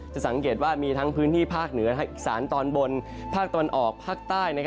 สังเกตว่ามีทั้งพื้นที่ภาคเหนืออีสานตอนบนภาคตะวันออกภาคใต้